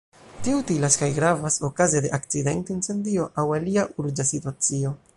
Tio utilas kaj gravas okaze de akcidento, incendio aŭ alia urĝa situacio.